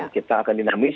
kita akan dinamis